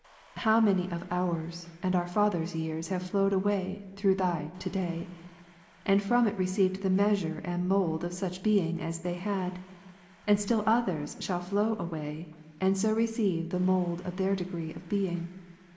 How many of ours and our fathers' years have flowed away through Thy * to day,' and from it received the measure and the mould of such being as they had ; and still others shall flow away. Ibid. and so receive the mould of their degree of being.